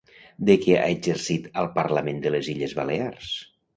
De què ha exercit al Parlament de les Illes Balears?